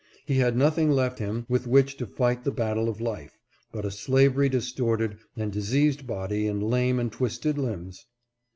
He had nothing left him with which to fight the battle of life, but a slavery distorted and diseased body and lame and twisted limbs.